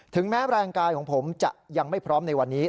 ถึงแม้ร่างกายของผมยังไม่พร้อมในวันนี้